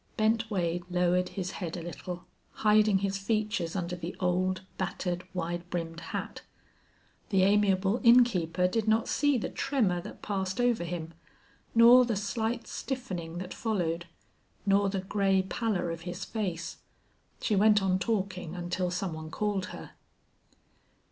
Bent Wade lowered his head a little, hiding his features under the old, battered, wide brimmed hat. The amiable innkeeper did not see the tremor that passed over him, nor the slight stiffening that followed, nor the gray pallor of his face. She went on talking until some one called her.